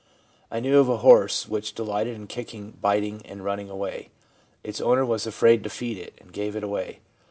' I knew of a horse which delighted in kicking, biting, and running away. Its owner was afraid to feed it, and gave it away.